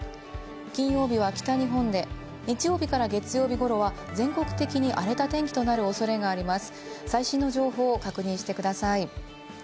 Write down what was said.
金曜日は北日本で日曜日から月曜日ごろは全国的に荒れた天気となるおそれがあります。